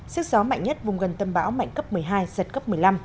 sức gió mạnh nhất vùng gần tâm bão mạnh cấp một mươi hai giật cấp một mươi năm